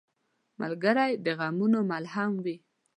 ملګری د غمونو ملهم وي.